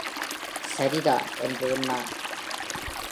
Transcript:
"சரிதான்," என்றேன் நான்.